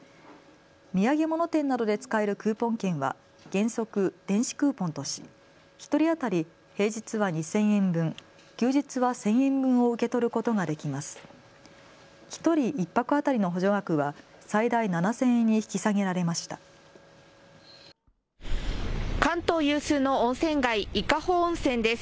土産物店などで使えるクーポン券は原則、電子クーポンとし１人当たり平日は２０００円分、休日は１０００円分を受け取ることができます。